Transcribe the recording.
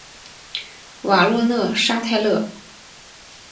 瓦诺勒沙泰勒。